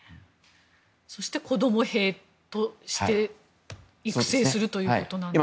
そして、子供兵として育成するということですね。